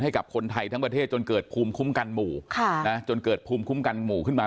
ให้กับคนไทยทั้งประเทศจนเกิดภูมิคุ้มกันหมู่จนเกิดภูมิคุ้มกันหมู่ขึ้นมา